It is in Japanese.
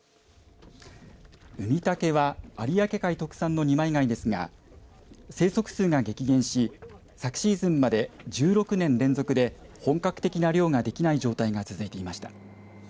ウミタケは有明海特産の二枚貝ですが生息数が激減し昨シーズンまで１６年連続で本格的な漁ができない状態が続いていました。